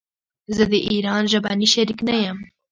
زه د ايران ژبني شريک نه يم.